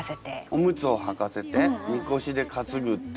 おむつをはかせてみこしで担ぐって